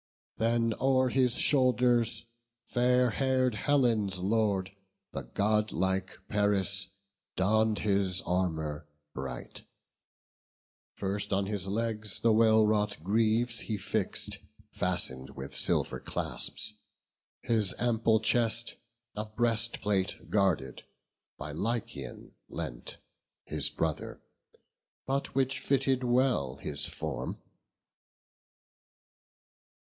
Then o'er his shoulders fair hair'd Helen's Lord, The godlike Paris, donn'd his armour bright: First on his legs the well wrought greaves he fix'd, Fasten'd with silver clasps; his ample chest A breastplate guarded, by Lycaon lent, His brother, but which fitted well his form.